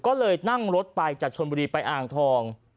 ก็เลยนั่งรถไปจากชนบุรีไปอ่างทอง